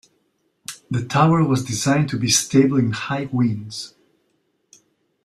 The tower was designed to be stable in high winds.